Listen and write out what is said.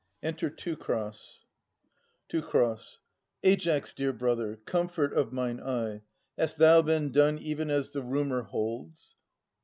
Enter Teucer. Teu. Aias, dear brother, comfort of mine eye, Hast thou then done even as the rumour holds?